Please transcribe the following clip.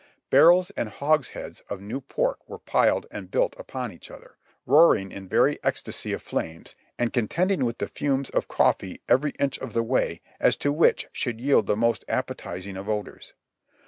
Barrels and hogsheads of new pork were piled and built upon each other, roaring in very ecstasy of flames, and contending with the fumes of .coffee every inch of the way as to which should yield the most appetizing of odors.